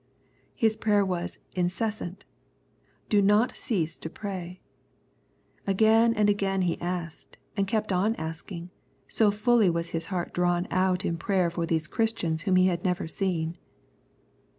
His prayer was incessant —" Do not cease to ^rayP Again and again he asked, and kept on asking, so fully was his heart drawn out in prayer for these Christians whom he had never seen.